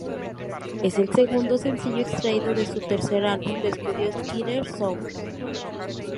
Es el segundo sencillo extraído de su tercer álbum de estudio Killer Sounds.